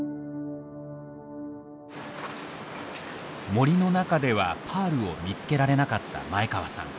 森の中ではパールを見つけられなかった前川さん。